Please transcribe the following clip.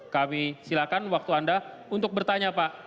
kami silakan waktu anda untuk bertanya pak